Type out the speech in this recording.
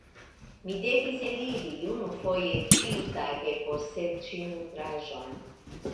Mi devis eliri unufoje ĉiutage por serĉi nutraĵon.